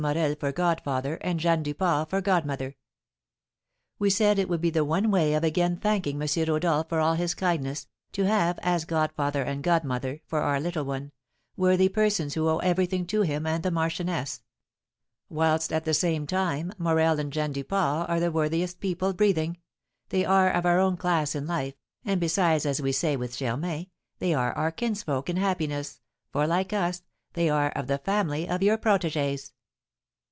Morel for godfather, and Jeanne Duport for godmother. We said it would be one way of again thanking M. Rodolph for all his kindness, to have, as godfather and godmother for our little one, worthy persons who owe everything to him and the marchioness; whilst, at the same time, Morel and Jeanne Duport are the worthiest people breathing, they are of our own class in life, and besides, as we say with Germain, they are our kinsfolk in happiness, for, like us, they are of the family of your protégés."